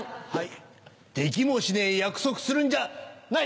できもしねえ約束するんじゃない！